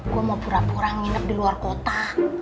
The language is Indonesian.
gue mau pura pura nginep di luar kota